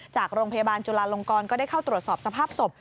จากโรงพยาบาลจุลาลงกรก็ได้เข้าตรวจสอบสภาพศพ